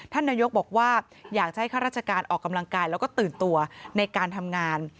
ท่านนายกบอกว่าอยากจะให้ข้าราชการออกกำลังกายแล้วก็ตื่นตัวในการทำงาน